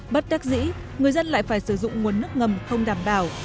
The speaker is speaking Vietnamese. bất đắc dĩ người dân lại phải sử dụng nguồn nước ngầm không đảm bảo